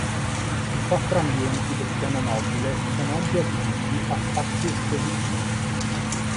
I quattro ambienti del piano nobile sono oggi adibiti a spazi espositivi.